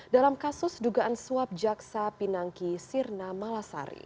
dalam kasus dugaan suap jaksa pinangki sirna malasari